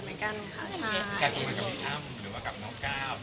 กลับมากับพี่อ้ำหรือกับน้องก้าวมีใครบ้าง